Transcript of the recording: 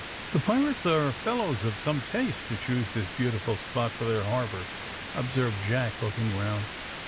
"The pirates are fellows of some taste to choose this beautiful spot for their harbour," observed Jack, looking round.